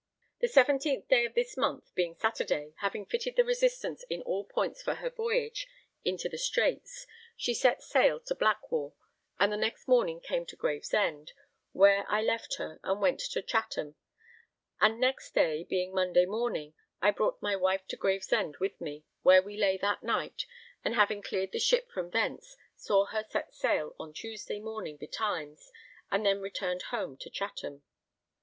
The 17th day of this month, being Saturday, having fitted the Resistance in all points for her voyage into the Straits, she set sail to Blackwall, and the next morning came to Gravesend, where I left her and went to Chatham; and next day, being Monday morning, I brought my wife to Gravesend with me, where we lay that night, and having cleared the ship from thence, saw her set sail on Tuesday morning betimes, and then returned home to Chatham.